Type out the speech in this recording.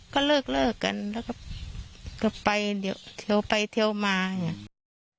ก็เลิกกันแล้วก็ไปเดี๋ยวไปเที่ยวมาอย่างเงี้ย